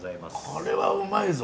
これはうまいぞ！